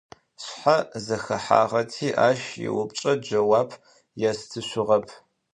Сшъхьэ зэхэхьагъэти ащ иупчӀэ джэуап естышъугъэп.